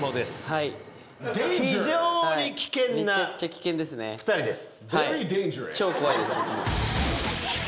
非常に危険な２人です。